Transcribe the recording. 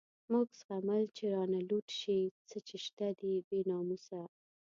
موږ زغمل چی رانه لوټ شی، څه چی شته دی بی ناموسه